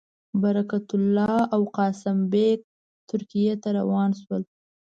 برکت الله او قاسم بېګ ترکیې ته روان شول.